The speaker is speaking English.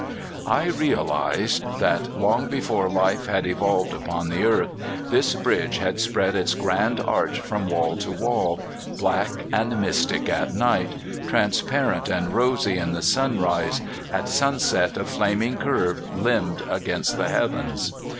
I realized that long before life had evolved upon the earth this bridge had spread its grand arch from wall to wall, black and mystic at night, transparent and rosy in the sunrise, at sunset a flaming curve limned against the heavens.